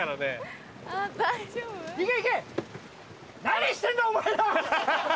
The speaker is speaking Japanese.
何してんだお前は！